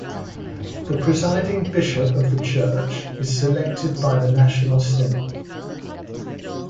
The presiding bishop of the church is selected by the national synod.